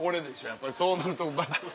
やっぱりそうなると。